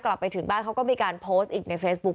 กลับไปถึงบ้านเขาก็มีการโพสต์อีกในเฟซบุ๊ค